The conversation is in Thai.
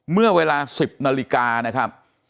เมื่อเวลา๑๐นาฬิกานะครับ